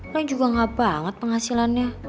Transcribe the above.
lah ini juga gak banget penghasilannya